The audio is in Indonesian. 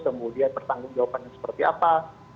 kemudian pertanggung jawabannya seperti apa